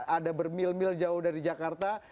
ada bermil mil jauh dari jakarta